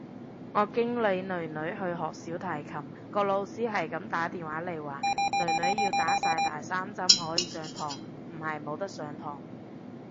我經理囡囡去學小提琴，個老師係咁打電話嚟話，囡囡要打晒第三針可以上堂，唔係冇得上堂。